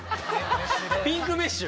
ピンクメッシュ？